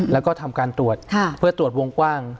แล้วก็ทำการตรวจเพื่อตรวจวงกว้าง